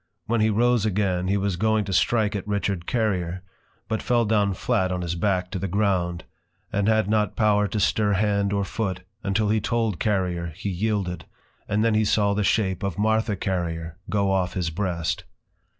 When he Rose again, he was going to strike at Richard Carrier; but fell down flat on his Back to the ground, and had not power to stir hand or foot, until he told Carrier he yielded; and then he saw the shape of Martha Carrier, go off his breast.